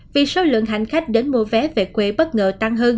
vì số lượng hành khách đến mua vé về quê bất ngờ tăng hơn